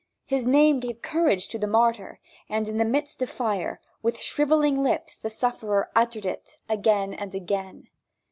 His name gave courage to the martyr, and in the midst of fire, with shriveling lips the sufferer uttered it again, and again.